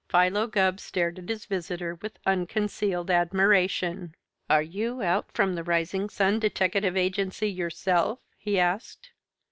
Philo Gubb stared at his visitor with unconcealed admiration. "Are you out from the Rising Sun Deteckative Agency yourself?" he asked.